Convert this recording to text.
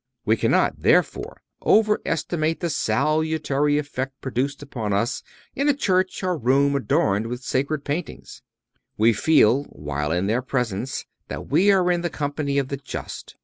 We cannot, therefore, over estimate the salutary effect produced upon us in a church or room adorned with sacred paintings. We feel, while in their presence, that we are in the company of the just.